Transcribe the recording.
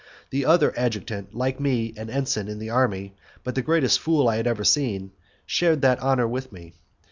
The other adjutant, like me, an ensign in the army, but the greatest fool I had ever seen, shared that honour with me.